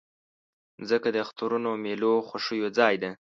مځکه د اخترونو، میلو، خوښیو ځای ده.